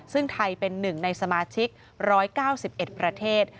ซึ่งไทยเป็น๑ในสมาชิก๑๙๑ประเทศ